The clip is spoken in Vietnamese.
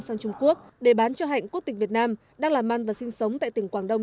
sang trung quốc để bán cho hạnh quốc tịch việt nam đang làm ăn và sinh sống tại tỉnh quảng đông